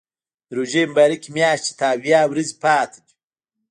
د روژې مبارکې میاشتې ته اویا ورځې پاتې دي.